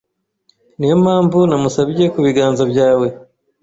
Niyo mpamvu namusabye kubiganza byawe